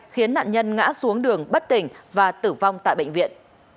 khiến nạn nhân ngã xuống đường bất tỉnh và tử vong tại bệnh viện